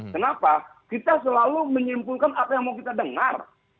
kenapa kita selalu menyimpulkan apa yang mau kita dengar